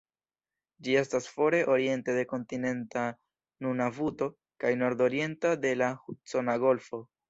Ĝi estas fore oriente de kontinenta Nunavuto, kaj nordorienta de la Hudsona Golfo.